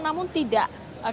namun tidak kebenaran